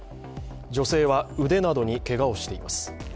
女性は腕などにけがをしています。